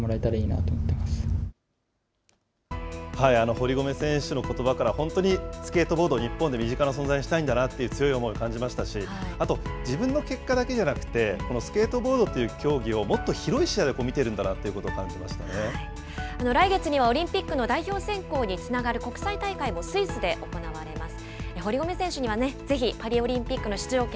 堀米選手のことばから、本当にスケートボードを日本で身近な存在にしたいんだなっていう強い思いを感じましたし、あと、自分の結果だけじゃなくて、スケートボードっていう競技をもっと広い視野で見ているんだなと来月にはオリンピックの代表選考につながる国際大会も、スイスで行われます。